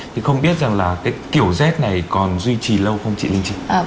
thì không biết rằng là cái kiểu z này còn duy trì lâu không chị linh trịnh